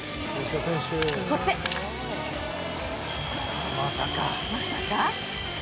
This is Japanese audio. そして、まさか。